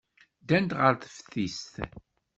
Ddant ɣer teftist.